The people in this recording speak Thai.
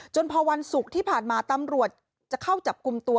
พอวันศุกร์ที่ผ่านมาตำรวจจะเข้าจับกลุ่มตัว